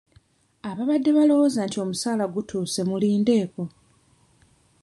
Ababadde balowooza nti omusaala gutuuse mulindeeko.